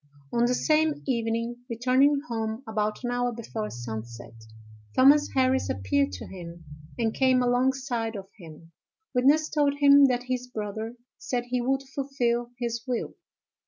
On the same evening, returning home about an hour before sunset, Thomas Harris appeared to him, and came alongside of him. Witness told him that his brother said he would fulfil his will.